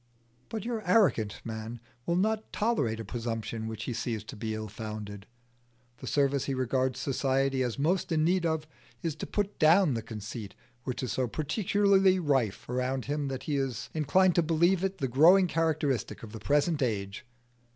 But your arrogant man will not tolerate a presumption which he sees to be ill founded. The service he regards society as most in need of is to put down the conceit which is so particularly rife around him that he is inclined to believe it the growing characteristic of the present age.